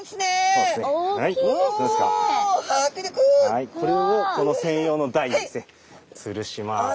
はいこれをこの専用の台ですねつるします。